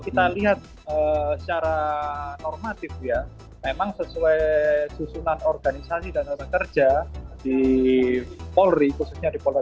kita lihat secara normatif ya memang sesuai susunan organisasi dan pekerja di polri khususnya di polda